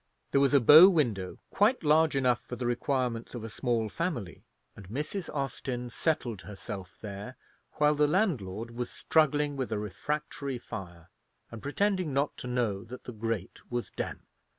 There was a bow window quite large enough for the requirements of a small family, and Mrs. Austin settled herself there, while the landlord was struggling with a refractory fire, and pretending not to know that the grate was damp.